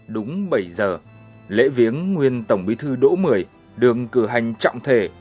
đúng bảy giờ lễ viếng nguyên tổng bí thư đỗ mười đường cử hành trọng thể